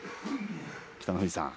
北の富士さん